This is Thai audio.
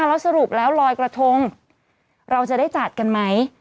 แล้วสรุปแล้วลอยกระทงเราจะได้จัดกันไหม